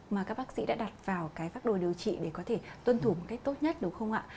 mà các bác sĩ đã đặt vào cái phác đồ điều trị để có thể tuân thủ một cách tốt nhất đúng không ạ